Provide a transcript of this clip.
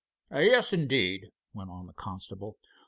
"Yes, indeed!" went on the constable.